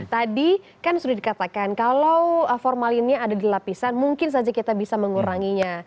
tadi kan sudah dikatakan kalau formalinnya ada di lapisan mungkin saja kita bisa menguranginya